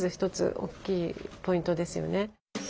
大きいポイントですよね。